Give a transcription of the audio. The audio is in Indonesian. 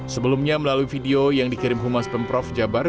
sebelumnya melalui video yang dikirim humas pemprov jabar